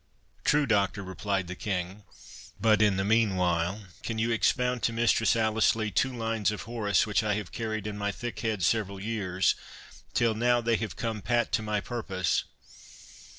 "True, Doctor," replied the King; "but, in the meanwhile, can you expound to Mistress Alice Lee two lines of Horace, which I have carried in my thick head several years, till now they have come pat to my purpose.